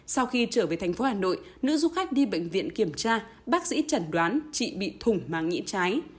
sau khi trở về thành phố hà nội nữ du khách đi bệnh viện kiểm tra bác sĩ chẩn đoán chị bị thủng màng nhĩ trái